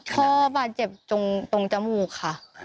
พ่อบาดเจ็บตรงจมูกค่ะ